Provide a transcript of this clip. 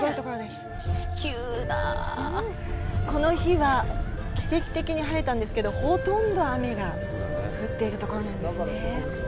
この日は奇跡的に晴れたんですけど、ほとんど雨が降っているところなんですね。